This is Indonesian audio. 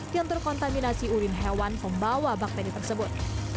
yang terkontaminasi urin hewan pembawa bakteri tersebut